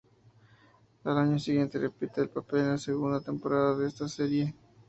Al año siguiente repite el papel en la segunda temporada de esta serie.